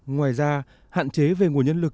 ngoài ra hạn chế về nguồn nhân lực